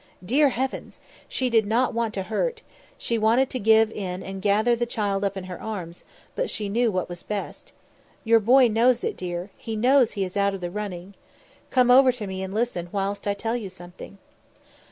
Dear heavens! she did not want to hurt; she wanted to give in and gather the child up in her arms, but she knew what was best. "Your boy knows it, dear; he knows he is out of the running. Come over to me and listen whilst I tell you something."